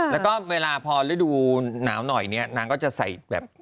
แล้วก็เวลาพอฤดูหนาวหน่อยเนี่ยนางก็จะใส่แบบ